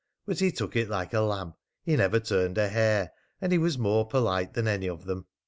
But he took it like a lamb. He never turned a hair, and he was more polite than any of them.